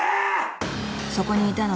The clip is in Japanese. ［そこにいたのは戦略